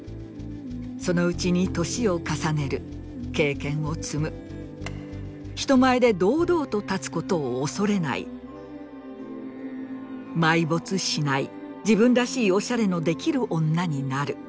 そのうちに歳を重ねる経験を積む人前で堂々と立つ事を恐れない埋没しない自分らしいオシャレのできる女になる。